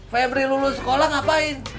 febri lulus sekolah ngapain